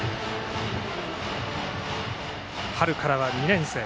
春からは２年生。